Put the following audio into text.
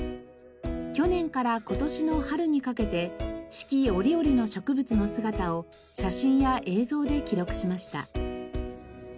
去年から今年の春にかけて四季折々の植物の姿を写真や映像で記録しました。